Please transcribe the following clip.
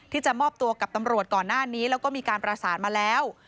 ที่จะมอบตัวกับตำรวจก่อนหน้านี้แล้วก็มีการประสานมาแล้ว